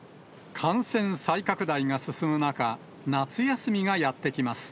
感染再拡大が進む中、夏休みがやってきます。